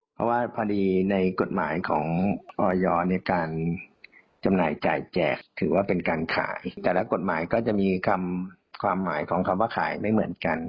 เพราะว่าพอดีในกฎหมายของออยในการจำหน่ายจ่ายแจกถือว่าเป็นการขายแต่ละกฎหมายก็จะมีคำความหมายของคำว่าขายไม่เหมือนกัน